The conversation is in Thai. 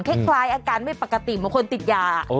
คล้ายอาการไม่ปกติเหมือนคนติดยา